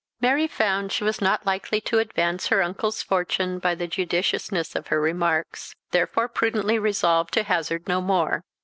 Mary found she was not likely to advance her uncle's fortune by the judiciousness of her remarks, therefore prudently resolved to hazard no more.